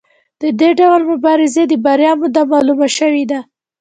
د دې ډول مبارزې د بریا موده معلومه شوې ده.